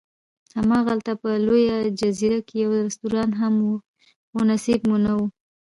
هماغلته په لویه جزیره کې یو رستورانت هم و، خو نصیب مو نه و.